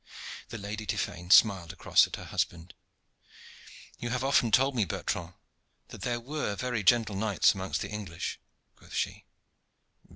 The Lady Tiphaine smiled across at her husband. "You have often told me, Bertrand, that there were very gentle knights amongst the English," quoth she.